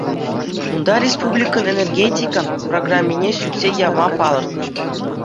Унта республикӑн энергетика программине сӳтсе явма палӑртнӑ.